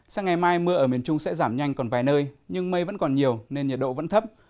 sáng ngày mai mưa ở miền trung sẽ giảm nhanh còn vài nơi nhưng mây vẫn còn nhiều nên nhiệt độ vẫn thấp